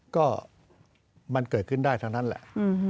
ก็มันเกิดขึ้นได้ทั้งนั้นแหละ